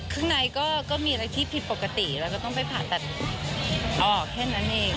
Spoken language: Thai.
ข้างในก็มีอะไรที่ผิดปกติแล้วก็ต้องไปผ่าตัดออกแค่นั้นเอง